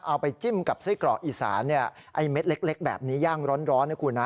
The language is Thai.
เอาไปจิ้มกับไส้เกราะอิสาไอ้เม็ดเล็กแบบนี้ย่างร้อนนะคุณ